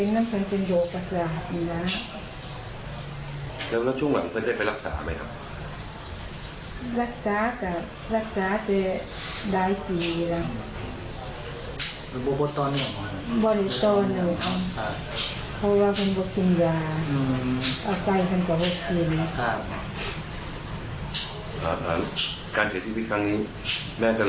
การเสียชีวิตครั้งนี้แม่ก็เลยไม่ติดใจเนอะ